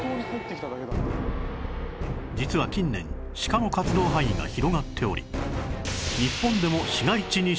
実は近年シカの活動範囲が広がっており